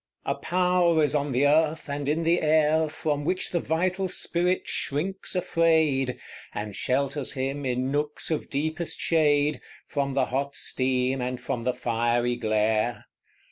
A power is on the earth and in the air From which the vital spirit shrinks afraid, And shelters him, in nooks of deepest shade, From the hot steam and from the fiery glare.